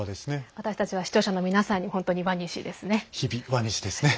私たちは視聴者の皆さんに本当にワニシですね。